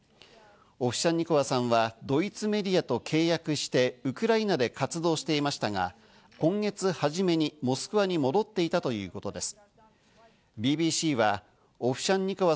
オフシャンニコワさんはドイツメディアと契約してウクライナで活動していましたが、今月初めにモスクワに戻っていたということです。